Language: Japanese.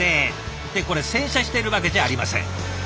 ってこれ洗車してるわけじゃありません。